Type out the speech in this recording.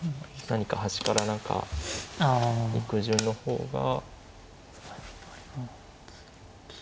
何か端から何か行く順の方が。